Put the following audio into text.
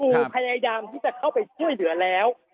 พยายามที่จะเข้าไปช่วยเหลือแล้ว